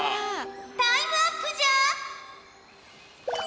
タイムアップじゃ！